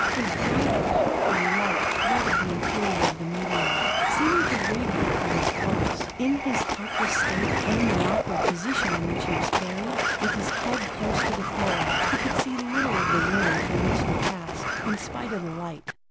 A bright, coppery light flooded the interior of the meteor, seeming to radiate from its walls. In his helpless state, and in the awkward position in which he was carried, with his head close to the floor, he could see little of the room through which they passed, in spite of the light.